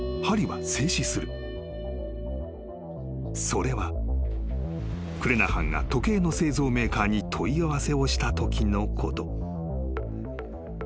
［それはクレナハンが時計の製造メーカーに問い合わせをしたときのこと］